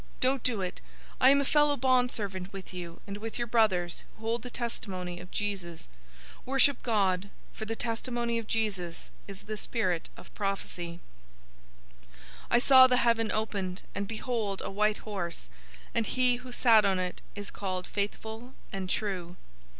Don't do it! I am a fellow bondservant with you and with your brothers who hold the testimony of Jesus. Worship God, for the testimony of Jesus is the Spirit of Prophecy." 019:011 I saw the heaven opened, and behold, a white horse, and he who sat on it is called Faithful and True.